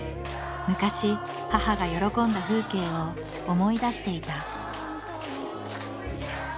昔母が喜んだ風景を思い出していた。